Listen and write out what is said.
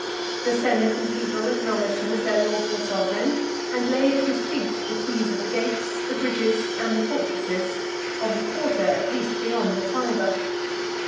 The senate and people acknowledged him as their lawful sovereign, and laid at his feet the keys of the gates, the bridges, and the fortresses; of the quarter at least beyond the Tyber.